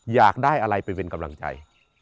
อยากได้อะไรไปเป็นกำลังใจ